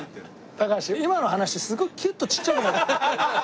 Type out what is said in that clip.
高橋今の話すごくキュッとちっちゃくなっちゃった。